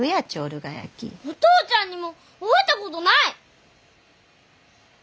お父ちゃんにも会うたことない！